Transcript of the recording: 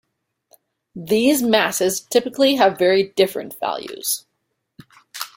These masses typically have very different values.